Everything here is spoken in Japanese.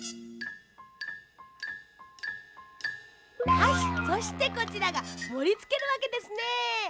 はいそしてこちらがもりつけるわけですね。